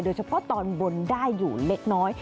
เฉพาะตอนบนได้อยู่เล็กน้อย